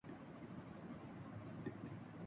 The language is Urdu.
پیپلز پارٹی کا موقف حسب معمول تضادات کا مجموعہ ہے۔